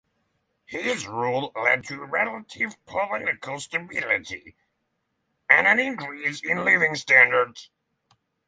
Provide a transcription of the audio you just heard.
His rule led to relative political stability and an increase in living standards.